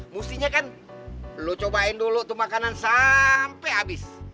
mestinya kan lu cobain dulu tuh makanan sampe habis